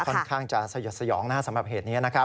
ค่อนข้างจะสยดสยองนะครับสำหรับเหตุนี้นะครับ